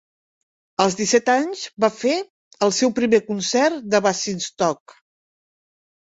Als disset anys va fer el seu primer concert a Basingstoke.